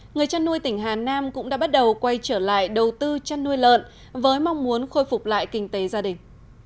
người chăn nuôi tỉnh hà nam cũng đã bắt đầu quay trở lại đầu tư chăn nuôi lợn với mong muốn khôi phục lại kinh tế gia đình